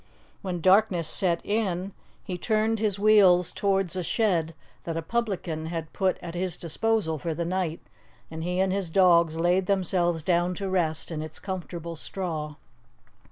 When darkness set in, he turned his wheels towards a shed that a publican had put at his disposal for the night, and he and his dogs laid themselves down to rest in its comfortable straw.